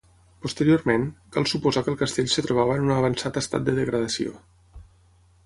Posteriorment, cal suposar que el castell es trobava en un avançat estat de degradació.